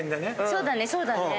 そうだねそうだね。